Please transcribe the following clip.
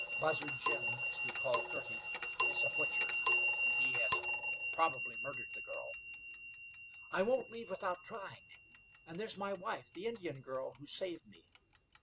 Buzzard Jim, as we call Girty, is a butcher; he has probably murdered the girl." "I won't leave without trying. And there's my wife, the Indian girl who saved me.